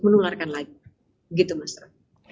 menularkan lagi begitu mas ro